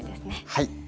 はい。